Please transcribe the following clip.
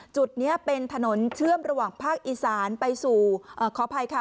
จุดนี้เป็นถนนเชื่อมระหว่างภาคอีสานไปสู่ขออภัยค่ะ